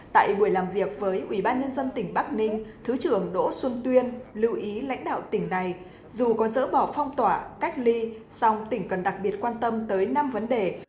tại buổi làm việc với ubnd tỉnh bắc ninh thứ trưởng đỗ xuân tuyên lưu ý lãnh đạo tỉnh này dù có dỡ bỏ phong tỏa cách ly song tỉnh cần đặc biệt quan tâm tới năm vấn đề